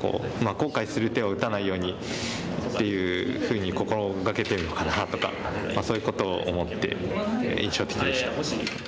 後悔する手は打たないようにっていうふうに心掛けてるのかなとかそういうことを思って印象的でした。